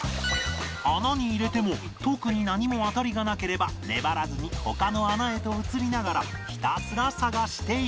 穴に入れても特に何も当たりがなければ粘らずに他の穴へと移りながらひたすら探していく